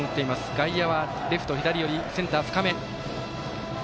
外野は、レフト左寄りセンター深め。